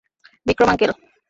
Vikram, uncle.